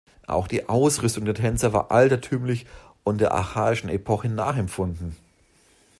Auch die Ausrüstung der Tänzer war altertümlich und der archaischen Epoche nachempfunden.